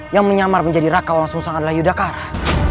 yang menyamar menjadi raka walang sungsang adalah yudhakara